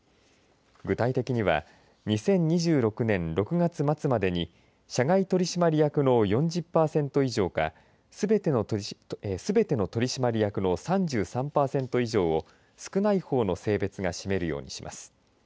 具体的には２０２６年６月末までに社外取締役の４０パーセント以上かすべての取締役の３３パーセント以上を少ないほうの性別が占めるようにします。